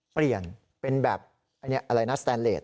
เปลี่ยนเป็นแบบอะไรนะสแตนเลส